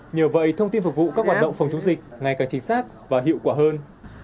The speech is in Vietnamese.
nhờ vậy thông tin phục vụ các hoạt động phòng chống dịch ngày càng chính xác và hiệu quả hơn